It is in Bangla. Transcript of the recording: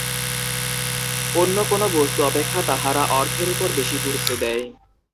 অন্য কোন বস্তু অপেক্ষা তাহারা অর্থের উপর বেশী গুরুত্ব দেয়।